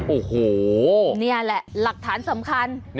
โอ้โหนี่แหละหลักฐานสำคัญ